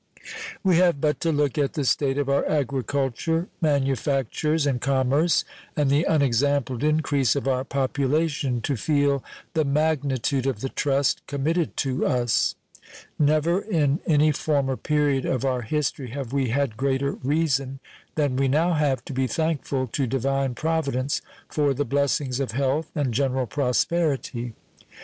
We have but to look at the state of our agriculture, manufactures, and commerce and the unexampled increase of our population to feel the magnitude of the trust committed to us. Never in any former period of our history have we had greater reason than we now have to be thankful to Divine Providence for the blessings of health and general prosperity.